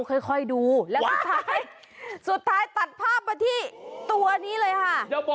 เอาค่อยดูแล้วสุดท้ายตัดภาพมาที่ตัวนี้เลย